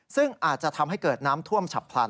ซึ่งอาจจะทำให้เกิดน้ำท่วมฉับพลัน